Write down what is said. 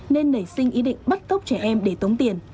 nên nảy sinh ý định bắt cóc trẻ em để tống tiền